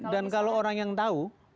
dan kalau orang yang tahu